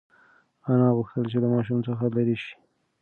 انا غوښتل چې له ماشوم څخه لرې شي.